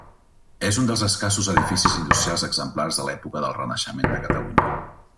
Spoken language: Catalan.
És un dels escassos edificis industrials exemplars de l'època del Renaixement de Catalunya.